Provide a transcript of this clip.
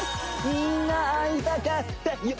みんな会いたかったよ